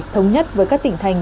thống nhất với các tỉnh thành